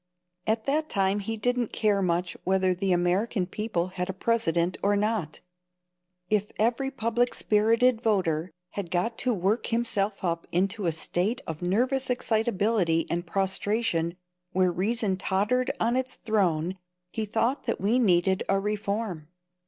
At that time he didn't care much whether the American people had a president or not. If every public spirited voter had got to work himself up into a state of nervous excitability and prostration where reason tottered on its throne, he thought that we needed a reform.